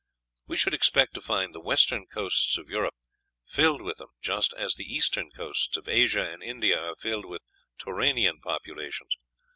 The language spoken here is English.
We should expect to find the western coasts of Europe filled with them, just as the eastern coasts of Asia and India are filled with Turanian populations.